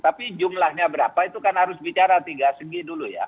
tapi jumlahnya berapa itu kan harus bicara tiga segi dulu ya